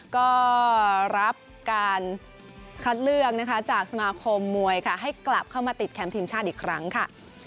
ก็รับการคัดเลือกนะคะจากสมาคมมวยค่ะให้กลับเข้ามาติดแคมป์ทีมชาติอีกครั้งค่ะ